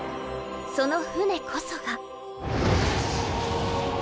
その船こそが。